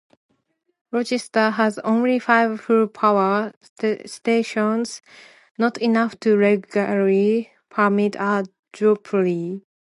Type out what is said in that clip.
Rochester has only five full-power stations-not enough to legally permit a duopoly.